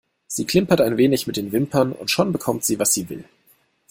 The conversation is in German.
Sie klimpert ein wenig mit den Wimpern und schon bekommt sie, was sie will.